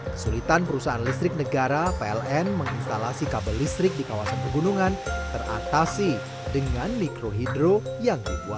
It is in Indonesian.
kesulitan perusahaan listrik negara pln menginstalasi kabel listrik di kawasan pegunungan teratasi dengan mikrohidro yang diperlukan